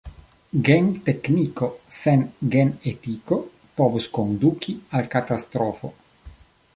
Gen-tekniko sen gen-etiko povus konduki al katastrofo.